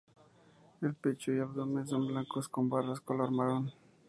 El pecho y abdomen son blancos con barras color marón.